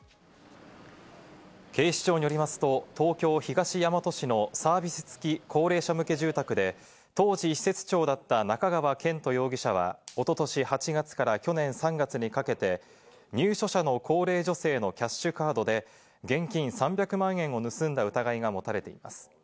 警視庁によりますと、東京・東大和市のサービス付き高齢者向け住宅で当時施設長だった中川健斗容疑者は、おととし８月から去年３月にかけて、入所者の高齢女性のキャッシュカードで現金３００万円を盗んだ疑いが持たれています。